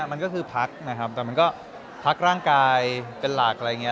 มันก็คือพักนะครับแต่มันก็พักร่างกายเป็นหลักอะไรอย่างนี้